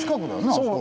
あそこと。